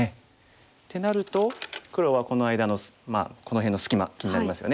ってなると黒はこの間のこの辺の隙間気になりますよね。